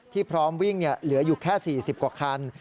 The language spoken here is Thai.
พร้อมวิ่งเหลืออยู่แค่๔๐กว่าคัน